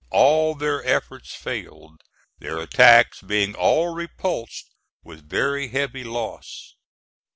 All their efforts failed, their attacks being all repulsed with very heavy loss.